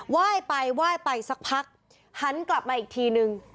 ไหว้ไปไหว้ไปสักพักหันกลับมาอีกทีนึง